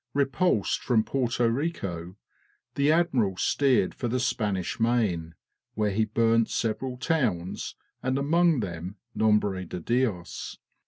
Repulsed from Porto Rico, the admiral steered for the Spanish main, where he burnt several towns, and among them Nombre de Dios.